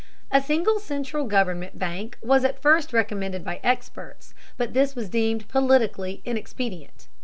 A single central government bank was at first recommended by experts, but this was deemed politically inexpedient.